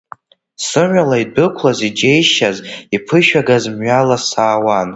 Сымҩала идәықәлаз иџьеишьаз, иԥышәагаз мҩала саауан.